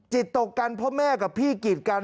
จิตตกกันเพราะแม่กับพี่กีดกัน